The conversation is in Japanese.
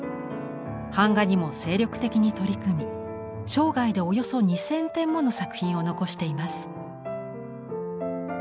版画にも精力的に取り組み生涯でおよそ２，０００点もの作品を残しています。